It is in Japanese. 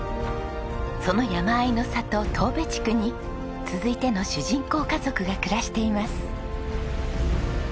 その山あいの里当部地区に続いての主人公家族が暮らしています。